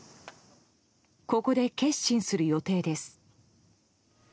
ここで結審する予定です。